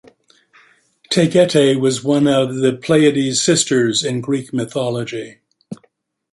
Taygete was one of the Pleiades sisters in Greek mythology.